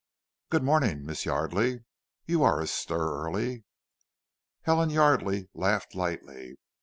"Good morning, Miss Yardely. You are astir early." Helen Yardely laughed lightly.